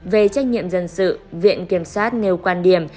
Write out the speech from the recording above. về trách nhiệm dân sự viện kiểm sát nêu quan điểm